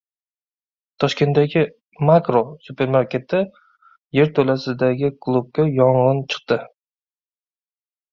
Toshkentdagi «Makro» supermarketi yerto‘lasidagi klubda yong‘in chiqdi